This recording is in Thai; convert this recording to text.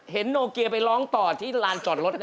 โนเกียไปร้องต่อที่ลานจอดรถ